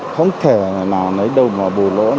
không thể nào lấy đâu mà bù lỗ